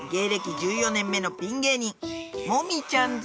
１４年目のピン芸人もみちゃん☆ズ３４歳